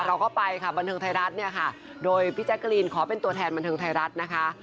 เราก็ไปค่ะบันเทิงไทยรัฐเนี่ยค่ะโดยพี่แจ๊กกะลีนขอเป็นตัวแทนบันเทิงไทยรัฐนะคะ